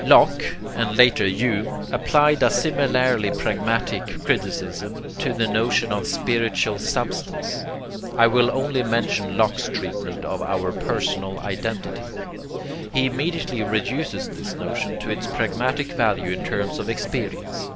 Locke, and later Hume, applied a similar pragmatic criticism to the notion of SPIRITUAL SUBSTANCE. I will only mention Locke's treatment of our 'personal identity.' He immediately reduces this notion to its pragmatic value in terms of experience.